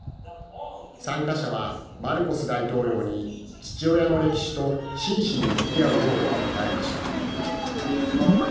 参加者はマルコス大統領に父親の歴史と真摯に向き合うよう訴えました。